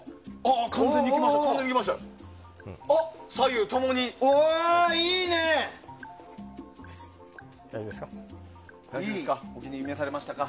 完全にいきましたよ。